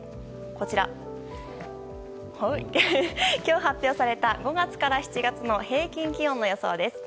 こちら、今日発表された５月から７月の平均気温の予想です。